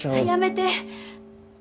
やめて！